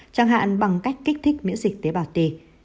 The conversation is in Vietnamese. chẳng hạn bằng cách kích thích miễn dịch tế bào tì